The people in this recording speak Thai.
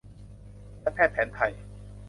และแพทย์แผนไทย